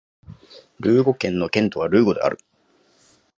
ルーゴ県の県都はルーゴである